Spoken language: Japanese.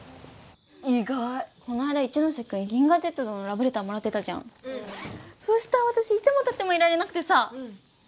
意外この間一ノ瀬君銀河鉄道のラブレターもらってたじゃんそしたら私居ても立ってもいられなくてさ